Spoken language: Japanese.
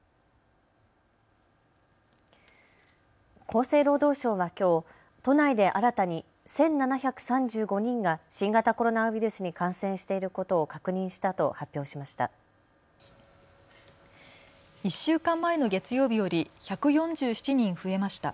厚生労働省はきょう都内で新たに１７３５人が新型コロナウイルスに感染していることを確認したと発表しました。